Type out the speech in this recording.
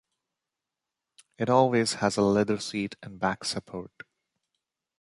It always has a leather seat and back support.